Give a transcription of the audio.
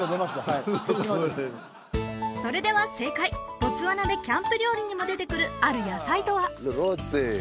はいそれでは正解ボツワナでキャンプ料理にも出てくるある野菜とは？